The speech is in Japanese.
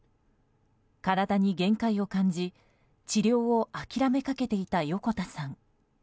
体に限界を感じ治療を諦めかけていた横田さん。